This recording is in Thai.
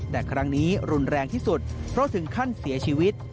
แต่ครั้งนี้รุนแรงที่สุดเพราะถึงขั้นเสียชีวิต